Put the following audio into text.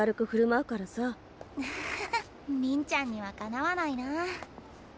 アハハりんちゃんにはかなわないな。